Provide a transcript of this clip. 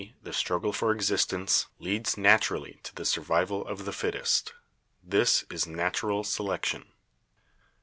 the struggle for existence leads naturally to the survival of the fittest. This is natural selection.